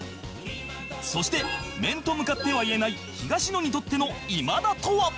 そして面と向かっては言えない東野にとっての今田とは？